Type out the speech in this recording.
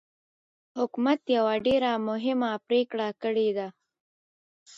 حکومت يوه ډېره مهمه پرېکړه کړې ده.